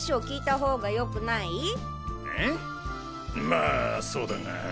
まあそうだが。